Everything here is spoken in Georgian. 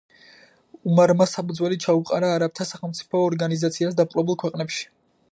უმარმა საფუძველი ჩაუყარა არაბთა სახელმწიფო ორგანიზაციას დაპყრობილ ქვეყნებში.